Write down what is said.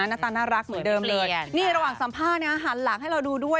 หน้าตาน่ารักเหมือนเดิมเลยนี่ระหว่างสัมภาษณ์หันหลังให้เราดูด้วย